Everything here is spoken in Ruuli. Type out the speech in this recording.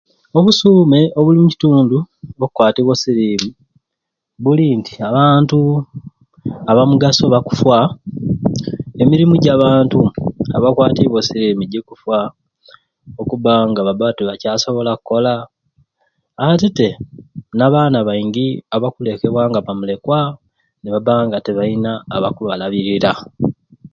Obusuume obuli omukitundu bwakwatibwa osirimu buli nti abantu abamugaso bakuffa, emirimu jabantu abakwatibwe osirimu jikuffa okuba nga babba tibakyasobola kola ate tte nabaana baingi abakulekebwa nga bamulekwa nebabba nga tebayina abakubalabirira.